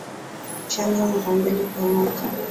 Chanjo mara mbili kwa mwaka